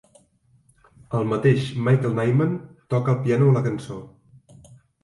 El mateix Michael Nyman toca el piano a la cançó.